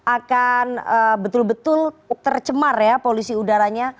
akan betul betul tercemar ya polusi udaranya